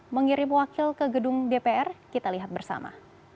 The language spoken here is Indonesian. mengirim wakil ke gedung dpr kita lihat bersama